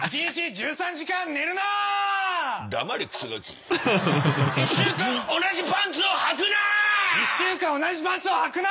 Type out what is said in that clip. １週間同じパンツをはくな！